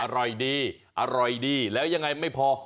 อร่อยดีอร่อยดีแล้วยังไงไม่พอ